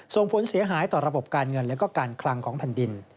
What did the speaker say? ส่งผลเสียหายต่อระบบการเงินและการคลังของแผ่นดิน